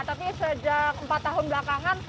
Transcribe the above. tapi sejak empat tahun belakangan